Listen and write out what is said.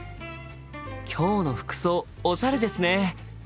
今日の服装おしゃれですね。